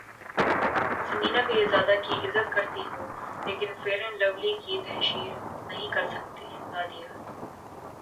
ثمینہ پیرزادہ کی عزت کرتی ہوں لیکن فیئر اینڈ لولی کی تشہیر نہیں کرسکتی نادیہ